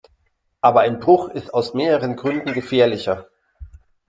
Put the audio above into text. Aber ein Bruch ist aus mehreren Gründen gefährlicher.